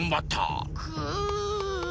く！